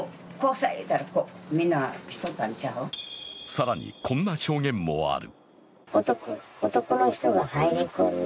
更に、こんな証言もある。